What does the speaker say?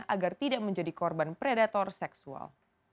agar tidak menjadi korban predator seksual